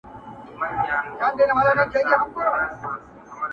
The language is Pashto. • بوډی زړګی مي صبروم په ژړا نه راځمه..